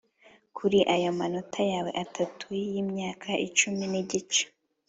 kuri aya manota yawe atatu yimyaka icumi nigice!